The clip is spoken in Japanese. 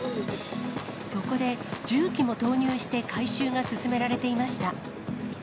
そこで重機も投入して回収が進められていました。